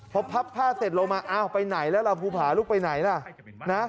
พอพับผ้าเสร็จลงมาอ้าวไปไหนแล้วล่ะภูผาลูกไปไหนล่ะนะ